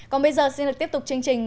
còn bây giờ xin được tiếp tục chương trình